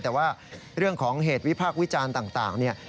แต่ว่าเรื่องของเหตุวิพักวิจารณ์ต่าง